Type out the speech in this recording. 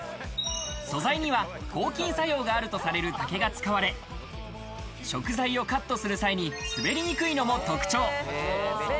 素材には抗菌作用があるとされる竹が使われ、食材をカットする際に滑りにくいのも特徴。